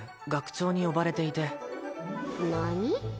学長に呼ばれていて何？